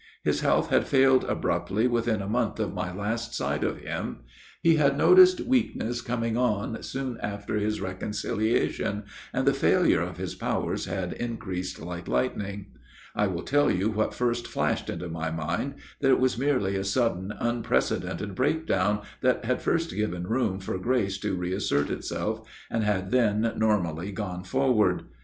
His health had failed abruptly within a month of my last sight of him. He had noticed weakness coming on soon after his reconciliation, and the failure of his powers had increased like lightning. " I will tell you what first flashed into my mind, that it was merely a sudden unprecedented breakdown that had first given room for grace to reassert itself, and had then normally gone forward.